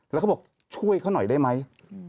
แล้วเขาบอกช่วยเขาหน่อยได้ไหม